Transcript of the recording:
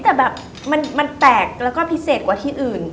แต่แบบมันแปลกแล้วก็พิเศษกว่าที่อื่น